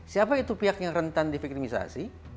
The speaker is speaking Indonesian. siapa itu pihak yang rentan divikriminisasi